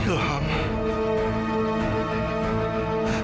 kamu harus berhenti